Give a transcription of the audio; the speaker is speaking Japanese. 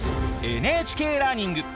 「ＮＨＫラーニング」